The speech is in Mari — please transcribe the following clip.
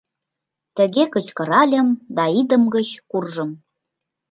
Тыге кычкыральым да идым гыч куржым.